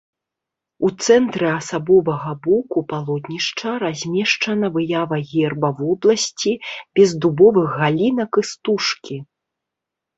У цэнтры асабовага боку палотнішча размешчана выява герба вобласці без дубовых галінак і стужкі.